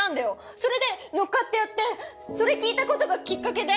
それで乗っかってやってそれ聴いたことがキッカケで